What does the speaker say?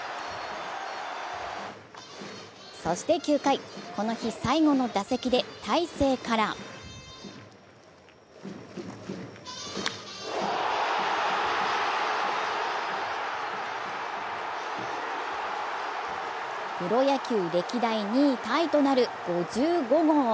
そして９回、この日最後の打席で大勢からプロ野球歴代２位タイとなる５５号。